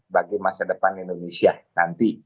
bagi masa depan indonesia nanti